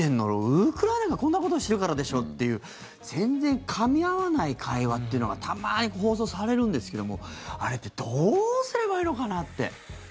ウクライナがこんなことしてるからでしょっていう全然かみ合わない会話というのがたまに放送されるんですけどもあれってどうすればいいのかなって。